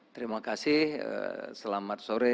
terima kasih selamat sore